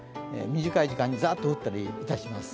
短い時間にザッと降ったりいたします。